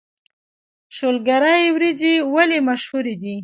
شولګرې وريجې ولې مشهورې دي؟